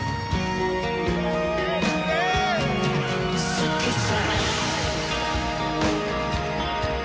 「好きさ」